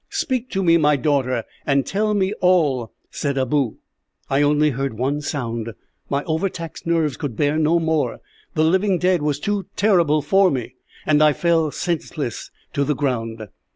"'Speak to me, my daughter, and tell me all,' said Abou. "I only heard one sound. My overtaxed nerves could bear no more; the living dead was too terrible for me, and I fell senseless to the ground.